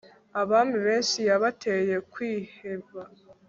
abami benshi yabateye kwiheba